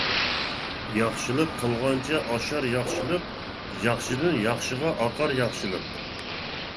ياخشىلىق قىلغانچە ئاشار ياخشىلىق، ياخشىدىن ياخشىغا ئاقار ياخشىلىق.